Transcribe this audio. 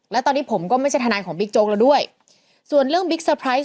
และตอนนี้ผมก็ไม่ใช่ทนายของบิ๊กโจ๊กแล้วด้วยส่วนเรื่องบิ๊กเซอร์ไพรส์